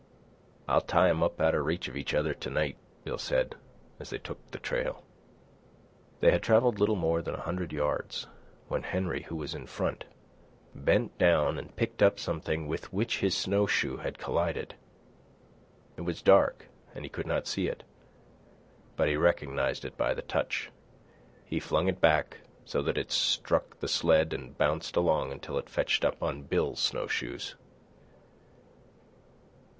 "I'll tie 'em up out of reach of each other to night," Bill said, as they took the trail. They had travelled little more than a hundred yards, when Henry, who was in front, bent down and picked up something with which his snowshoe had collided. It was dark, and he could not see it, but he recognised it by the touch. He flung it back, so that it struck the sled and bounced along until it fetched up on Bill's snowshoes.